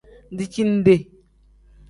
Dijinde.